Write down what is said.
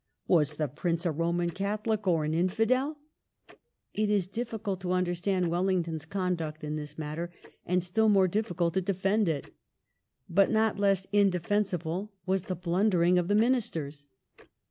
Was the Prince a Roman Catholic or an Infidel ? It is difficult to under stand Wellington's conduct in this matter, and still more difficult to defend it But not less indefensible was the blundering of the Ministei's.